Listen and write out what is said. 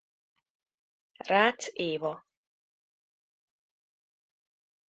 Rácz Éva.